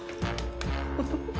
フフフ。